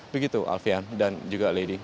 begitu alfian dan juga lady